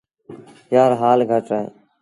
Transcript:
يآر هآل گھٽ اهي۔